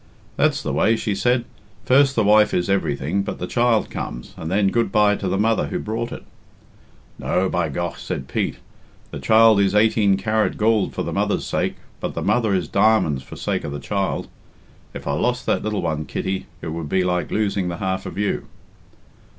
"That's the way," she said. "First the wife is everything; but the child comes, and then good bye to the mother who brought it." "No, by gough!" said Pete. "The child is eighteen carat goold for the mother's sake, but the mother is di'monds for sake of the child. If I lost that little one, Kitty, it would be like losing the half of you."